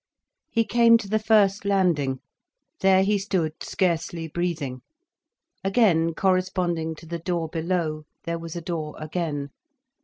He came to the first landing. There he stood, scarcely breathing. Again, corresponding to the door below, there was a door again.